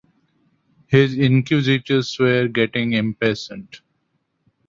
His inquisitors were getting impatient.